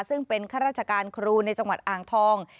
ซึ่งเป็นข้าราชการครูในจังหวัดอ่างทอง